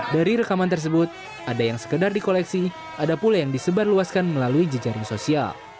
dari rekaman tersebut ada yang sekedar di koleksi ada pula yang disebarluaskan melalui jejaring sosial